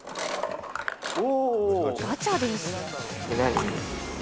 ガチャです。